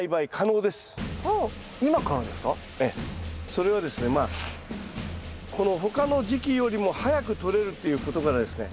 それはですねまあこの他の時期よりも早くとれるっていうことからですね